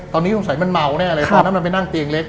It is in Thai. ตอนนี้สงสัยมันเมาแน่เลยตอนนั้นมันไปนั่งเตียงเล็ก